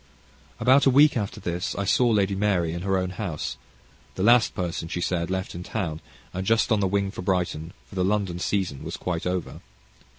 About a week after this I saw Lady Mary at her own house, the last person, she said, left in town, and just on the wing for Brighton, for the London season was quite over.